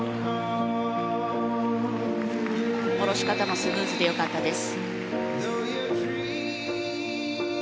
降ろし方もスムーズで良かったです。